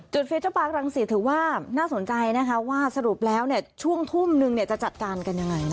เฟเจอร์ปาร์ครังสิตถือว่าน่าสนใจนะคะว่าสรุปแล้วช่วงทุ่มนึงจะจัดการกันยังไง